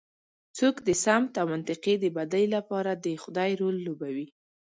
څوک د سمت او منطقې د بدۍ لپاره د خدۍ رول لوبوي.